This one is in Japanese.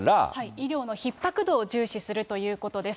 医療のひっ迫度を重視するということです。